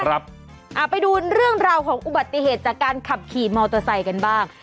เอาไปดูเรื่องราวของอุบัติเหตุจากการขับขี่มอเตอร์ไซค์กันบ้าง